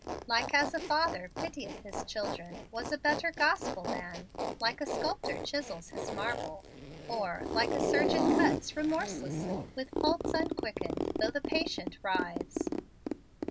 "Like as a father pitieth his children," was a better gospel than "like as a sculptor chisels his marble," or "like as a surgeon cuts remorselessly with pulse unquickened, though the patient writhes."